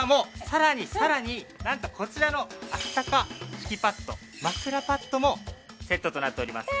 さらにさらになんとこちらの暖か敷きパッド枕パッドもセットとなっております。